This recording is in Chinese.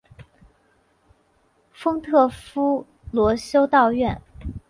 丰特夫罗修道院。